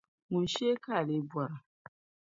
ŋun shee ka a lee bɔra?